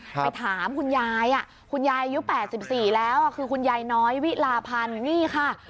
ไปถามคุณยายคุณยายอายุ๘๔แล้วคือคุณยายน้อยวิลาพันธ์นี่ค่ะ